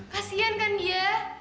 kasian kan dia